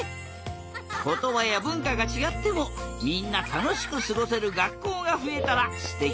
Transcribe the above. ことばやぶんかがちがってもみんなたのしくすごせるがっこうがふえたらすてきだな！